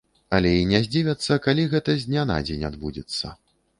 Але і не здзівяцца, калі гэта з дня на дзень адбудзецца.